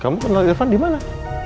kamu kenal irfan dimana